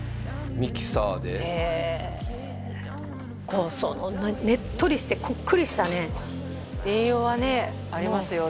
ミキサーでへえそのねっとりしてこっくりしたね栄養はねありますよね